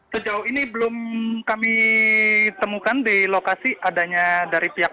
sejauh ini belum kami temukan di lokasi adanya dari pihak